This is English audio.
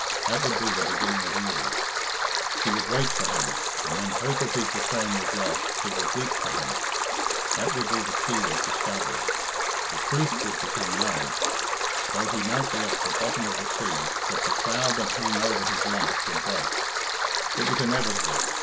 That would be the beginning of evil! She would wait for him, and when hope of his return was lost, she would weep for him. That would be the key of discovery! The truth would become known. Though he might be at the bottom of the sea, yet the cloud that hung over his life would break. It was inevitable.